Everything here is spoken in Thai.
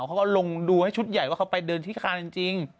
เขาก็ลงดูให้ชุดใหญ่ว่าเขาไปเดินที่คานจริง